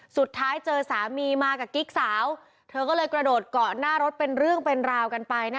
สุดท้ายเจอสามีมากับกิ๊กสาวเธอก็เลยกระโดดเกาะหน้ารถเป็นเรื่องเป็นราวกันไปนะ